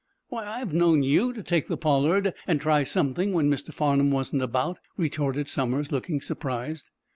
"Why, I've known you to take the 'Pollard' and try something when Mr. Farnum wasn't about," retorted Somers, looking surprised.